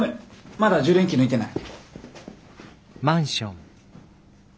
まだ充電器抜いてない。